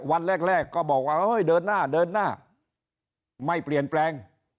วันแรกก็บอกว่าเดินหน้าเดินหน้าไม่เปลี่ยนแปลง